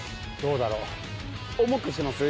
どうだろう。